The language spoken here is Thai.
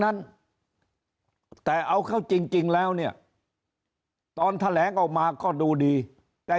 นั้นแต่เอาเข้าจริงแล้วเนี่ยตอนแถลงออกมาก็ดูดีแต่